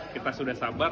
kita sudah sabar